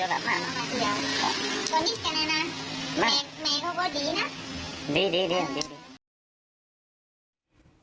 แต่มีามีคนดีไหม